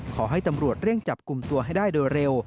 ขอให้ตำรวจเร่งจับกลุ่มตัวให้ได้โดยเร็ว